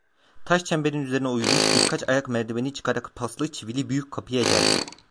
Taş çemberin üzerinde oyulmuş birkaç ayak merdiveni çıkarak paslı çivili, büyük kapıya geldim.